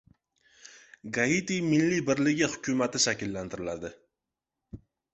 Gaiti milliy birligi hukumati shakllantirildi